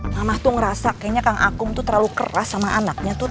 mamah tuh ngerasa kayaknya kang akung tuh terlalu keras sama anaknya tuh